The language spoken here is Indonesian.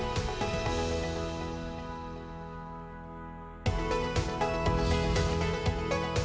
masalah pembangunan air limbah